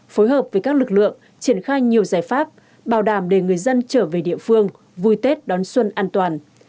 phối hợp với các lực lượng triển khai nhiều giải pháp bảo đảm để người dân trở về địa phương vui tết đón xuân an toàn